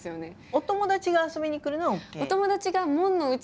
お友達が遊びに来るのはＯＫ？